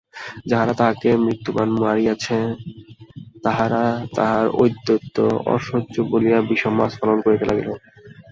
যাহারা তাহাকে মৃত্যুবাণ মারিয়াছে তাহারা তাহার ঔদ্ধত্যকে অসহ্য বলিয়া বিষম আস্ফালন করিতে লাগিল।